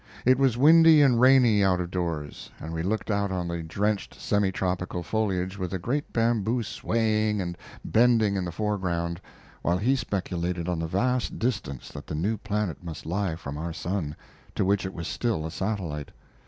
It was windy and rainy out of doors, and we looked out on the drenched semi tropical foliage with a great bamboo swaying and bending in the foreground, while he speculated on the vast distance that the new planet must lie from our sun, to which it was still a satellite.